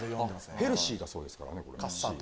ヘルシーだそうですからこれ。